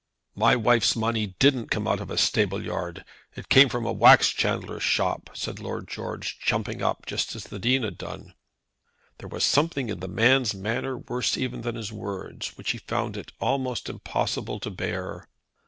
"My wife's money didn't come out of a stable yard. It came from a wax chandler's shop," said Lord George, jumping up, just as the Dean had done. There was something in the man's manner worse even than his words which he found it almost impossible to bear.